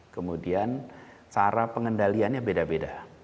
kemudian cara pengendaliannya beda beda